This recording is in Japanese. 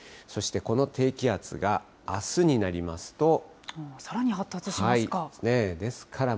そしてこの低気圧が、あすになりさらに発達しますか。